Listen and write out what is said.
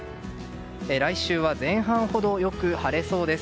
来週は前半ほどよく晴れそうです。